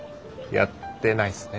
やってないっすね。